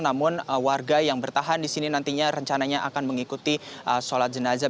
namun warga yang bertahan di sini nantinya rencananya akan mengikuti sholat jenazah